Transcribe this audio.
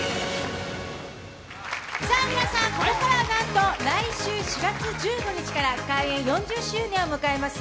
ここからは来週４月１５日から開園４０周年を迎えます